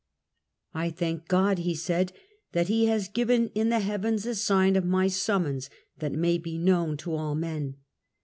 "I thank God," he said, " that He has given in the heavens a sign of my summons, that it may be known to all men."